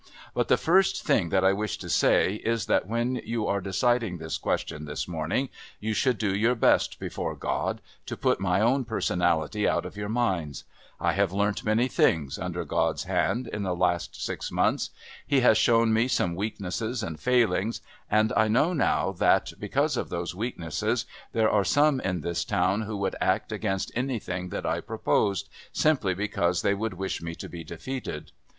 "But the first thing that I wish to say is that when you are deciding this question this morning you should do your best, before God, to put my own personality out of your minds. I have learnt many things, under God's hand, in the last six months. He has shown me some weaknesses and failings, and I know now that, because of those weaknesses, there are some in this town who would act against anything that I proposed, simply because they would wish me to be defeated.